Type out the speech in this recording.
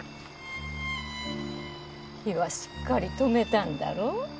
火はしっかり止めたんだろ？